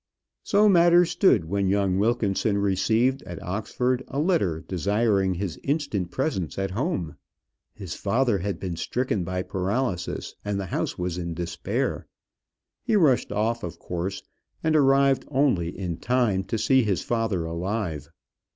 So matters stood when young Wilkinson received at Oxford a letter desiring his instant presence at home. His father had been stricken by paralysis, and the house was in despair. He rushed off, of course, and arrived only in time to see his father alive.